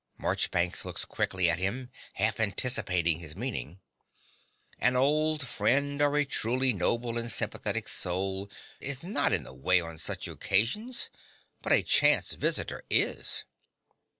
(Marchbanks looks quickly at him, half anticipating his meaning.) An old friend or a truly noble and sympathetic soul is not in the way on such occasions; but a chance visitor is.